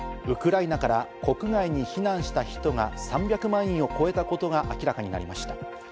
ウクライナから国外に避難した人が３００万人を超えたことが明らかになりました。